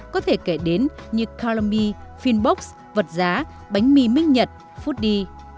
có thể kể đến như color me finbox vật giá bánh mì minh nhật foodie